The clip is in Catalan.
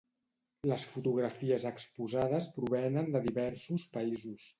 Les fotografies exposades provenen de diversos països